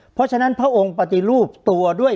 เพราะฉะนั้นพระองค์ปฏิรูปตัวด้วย